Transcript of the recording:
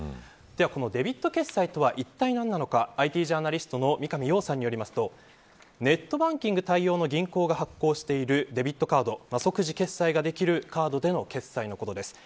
このデビット決済とはいったい何なのかＩＴジャーナリストの三上洋さんによりますとネットバンキング対応の銀行が発行しているデビットカード即時決済ができるカードでの決済のことです。